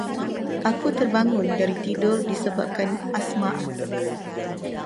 Aku terbangun dari tidur disebabkan asma aku.